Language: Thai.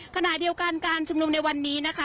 ขณะเดียวกันการชุมนุมในวันนี้นะคะ